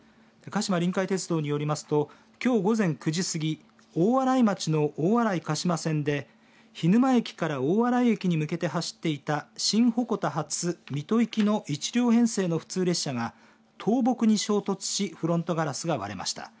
鹿島臨海鉄道によりますときょう午前９時過ぎ大洗町の大洗鹿島線で涸沼駅から大洗駅に向けて走っていた新鉾田発、水戸行きの１両編成の普通列車が倒木に衝突しフロントガラスが割れました。